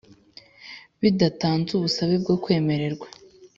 bidatanze ubusabe bwo kwemererwa